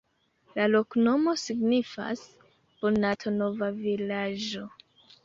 La loknomo signifas: Banato-nova-vilaĝo.